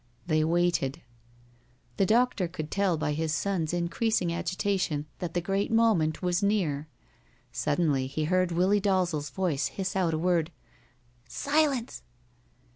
They waited. The doctor could tell by his son's increasing agitation that the great moment was near. Suddenly he heard Willie Dalzel's voice hiss out a word: "S s silence!"